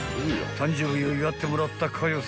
［誕生日を祝ってもらったかよ